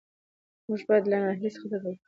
موږ باید له ناهیلۍ څخه ډډه وکړو.